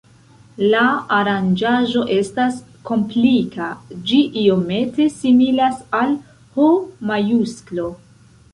La aranĝaĵo estas komplika, ĝi iomete similas al H-majusklo.